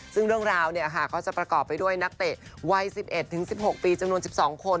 ซึ่งเรื่องราวก็จะประกอบไปด้วยนักเตะวัย๑๑๑๖ปีจำนวน๑๒คน